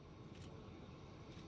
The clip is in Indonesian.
kemudian yang kedua